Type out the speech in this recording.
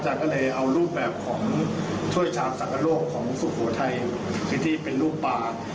ไม่เคยรู้เลยว่าด้านหลังสีไม่เหมือนกัน